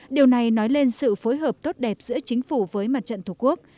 điều này nói lên sự phối hợp tốt đẹp giữa chính phủ với mặt trận thủ quốc